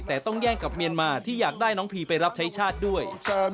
แต่ต้องแย่งกับเมียนมาที่อยากได้น้องพีไปรับใช้ชาติด้วย